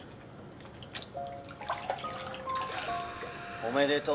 おめでとう。